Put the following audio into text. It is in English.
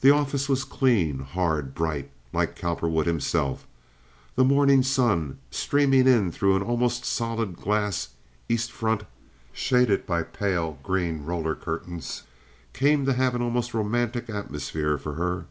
The office was clean, hard, bright, like Cowperwood himself. The morning sun, streaming in through an almost solid glass east front shaded by pale green roller curtains, came to have an almost romantic atmosphere for her.